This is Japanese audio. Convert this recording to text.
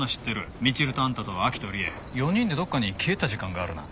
みちるとあんたと亜希と理恵４人でどっかに消えてた時間があるな？